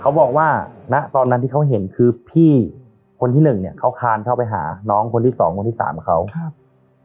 เขาบอกว่าณตอนนั้นที่เขาเห็นคือพี่คนที่หนึ่งเนี่ยเขาคานเข้าไปหาน้องคนที่สองคนที่สามเขาครับ